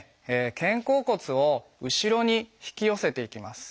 肩甲骨を後ろに引き寄せていきます。